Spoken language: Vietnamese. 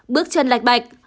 bước chân lạch bạch